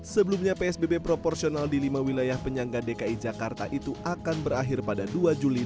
sebelumnya psbb proporsional di lima wilayah penyangga dki jakarta itu akan berakhir pada dua juli dua ribu dua puluh